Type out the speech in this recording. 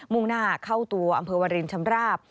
่งหน้าเข้าตัวอำเภอวรินชำราบ